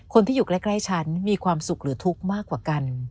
คนที่อยู่ใกล้ฉันมีความสุขหรือทุกข์มากกว่ากัน